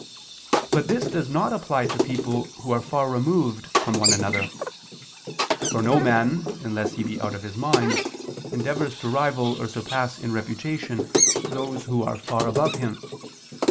But this does not apply to people who are far removed from one another: for no man, unless he be out of his mind, endeavors to rival or surpass in reputation those who are far above him.